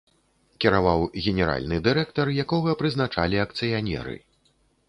Кіраваў генеральны дырэктар, якога прызначалі акцыянеры.